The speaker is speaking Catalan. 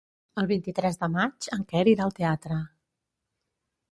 El vint-i-tres de maig en Quer irà al teatre.